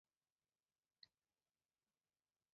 仙馔密酒是指希腊神话中诸神的食物。